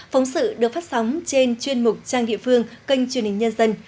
phóng sự được phát sóng trên chuyên mục trang địa phương kênh truyền hình nhân dân